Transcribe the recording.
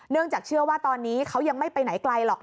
จากเชื่อว่าตอนนี้เขายังไม่ไปไหนไกลหรอก